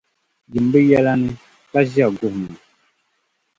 Yim bɛ yɛla ni, ka ʒiya guhima.